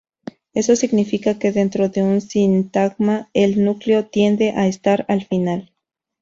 Eso significa que dentro de un sintagma el núcleo tiende a estar al final.